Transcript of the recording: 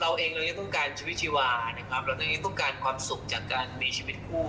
เราเองเรายังต้องการชีวิตชีวาเรายังต้องการความสุขจากการมีชีวิตคู่